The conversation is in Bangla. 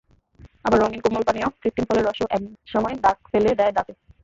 আবার রঙিন কোমল পানীয়, কৃত্রিম ফলের রসও একসময় দাগ ফেলে দেয় দাঁতে।